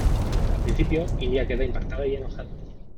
Al principio, India queda impactada y enojada.